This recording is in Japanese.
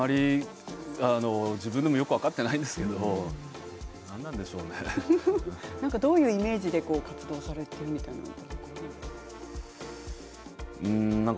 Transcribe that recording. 自分でもよく分かっていないんですけどどういうイメージで活動されているんでしょうか。